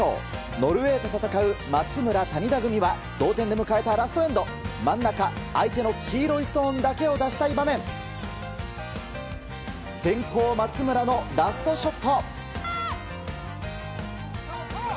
ノルウェーと戦う松村、谷田組は同点で迎えたラストエンド真ん中、相手の黄色いストーンだけを出したい場面先攻、松村のラストショット。